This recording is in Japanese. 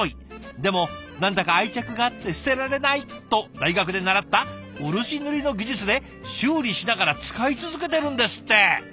でも何だか愛着があって捨てられないと大学で習った漆塗りの技術で修理しながら使い続けてるんですって。